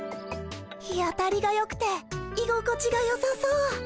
日当たりがよくていごこちがよさそう。